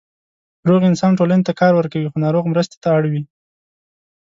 روغ انسان ټولنې ته کار ورکوي، خو ناروغ مرستې ته اړ وي.